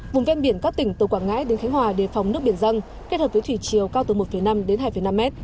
vùng ven biển các tỉnh từ quảng ngãi đến khánh hòa đề phòng nước biển răng kết hợp với thủy chiều cao từ một năm đến hai năm m